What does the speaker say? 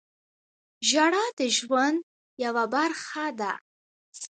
• ژړا د ژوند یوه برخه ده.